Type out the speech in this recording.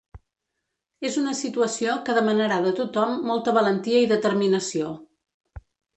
És una situació que demanarà de tothom molta valentia i determinació.